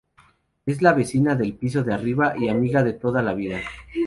Es la vecina del piso de arriba y amiga de toda la vida.